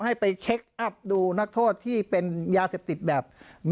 ให้ไปเช็คอัพดูนักโทษที่เป็นยาเสพติดแบบ